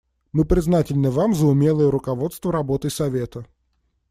Мы признательны Вам за умелое руководство работой Совета.